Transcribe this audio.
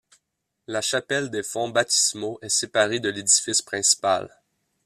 La chapelle des fonts baptismaux est séparée de l'édifice principal.